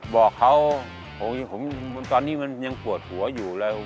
บอกเขาตอนนี้มันยังปวดหัวอยู่แล้ว